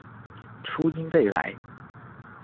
初音未来